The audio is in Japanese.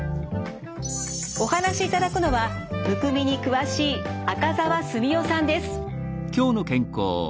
お話しいただくのはむくみに詳しい赤澤純代さんです。